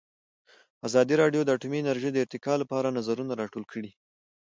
ازادي راډیو د اټومي انرژي د ارتقا لپاره نظرونه راټول کړي.